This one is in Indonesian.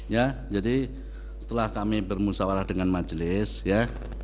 ya jadi setelah kami bermusyawarah dengan majelis ya